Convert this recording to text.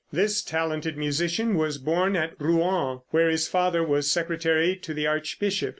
This talented musician was born at Rouen, where his father was secretary to the archbishop.